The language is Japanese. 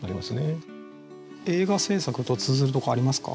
映画製作と通ずるとこありますか？